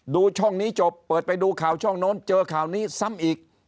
ดูช่องนี้จบเปิดไปดูข่าวช่องโน้นเจอข่าวนี้ซ้ำอีก